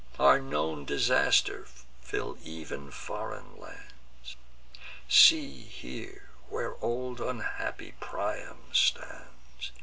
Our known disasters fill ev'n foreign lands: See there, where old unhappy Priam stands!